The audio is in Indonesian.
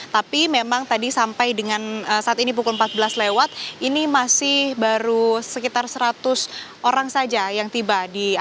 tapi memang tadi sampai dengan saat ini pukul empat belas lewat ini masih baru sekitar seratus orang saja yang tiba